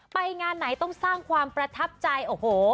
ไปงานไหนต้องสร้างความประทับใจโอ้โห